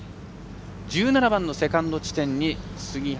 １７番のセカンド地点に杉原。